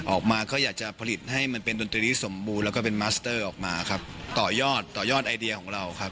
ออกมาก็อยากจะผลิตให้มันเป็นดนตรีที่สมบูรณ์แล้วก็เป็นมัสเตอร์ออกมาครับต่อยอดต่อยอดไอเดียของเราครับ